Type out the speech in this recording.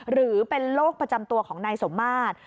หรือเป็นโรคประจำตัวของนายสมมาตร